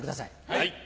はい。